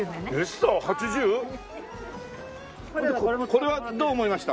これはどう思いました？